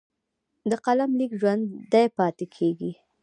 د قلم لیک ژوندی پاتې کېږي.